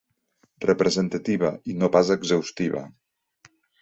Representativa i no pas exhaustiva.